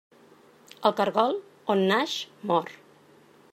El caragol, on naix mor.